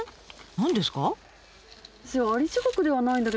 何ですか？